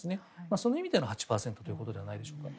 その意味での８％ということではないでしょうか。